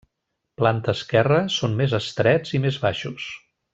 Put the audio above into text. Planta esquerra són més estrets i més baixos.